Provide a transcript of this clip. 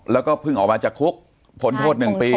แล้วก็เพิ่งออกมาจากคุกผลโทษ๑ปี